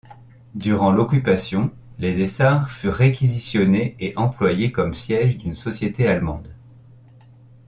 Durant l'Occupation, Les Essarts furent réquisitionnés et employés comme siège d’une société allemande.